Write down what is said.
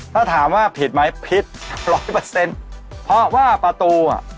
ถ้าถามว่าผิดไหมผิดร้อยเปอร์เซ็นต์เพราะว่าประตูอ่ะ